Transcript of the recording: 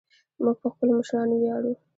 موږ په خپلو مشرانو ویاړو